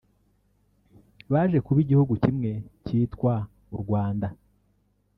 baje kuba igihugu kimwe cyitwa u Rwanda